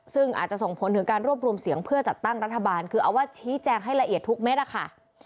ซึ่งอาจจะส่งผลถึงการรวบรวมเสียงเพื่อจัดตั้งรัฐบาลคือเอาว่าชี้แจงให้ละเอียดทุกเม็ดอะค่ะ